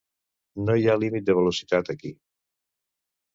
No hi ha límit de velocitat, aquí.